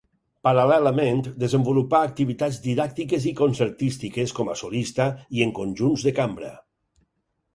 Paral·lelament desenvolupà activitats didàctiques i concertístiques com a solista i en conjunts de cambra.